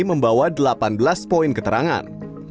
membawa delapan belas poin keterangan